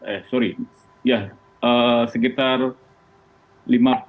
eh sorry ya sekitar rp lima puluh tujuh